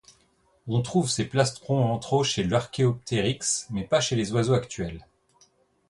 On trouve ces plastrons ventraux chez l'archéoptéryx, mais pas chez les oiseaux actuels.